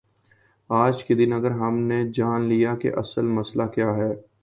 آج کے دن اگر ہم نے جان لیا کہ اصل مسئلہ کیا ہے۔